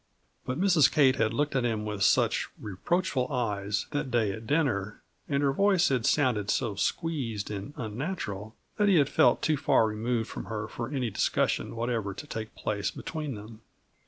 But Mrs. Kate had looked at him with such reproachful eyes, that day at dinner, and her voice had sounded so squeezed and unnatural, that he had felt too far removed from her for any discussion whatever to take place between them.